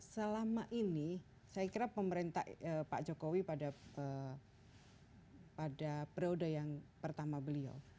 selama ini saya kira pemerintah pak jokowi pada periode yang pertama beliau